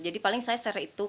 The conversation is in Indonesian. jadi paling saya share itu